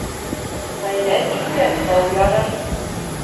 Ғәйрәт иткән тау ярыр.